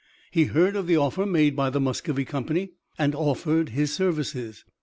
He heard of the offer made by the Muscovy Company and offered his services.